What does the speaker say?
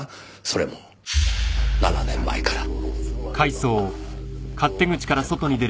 それも７年前から。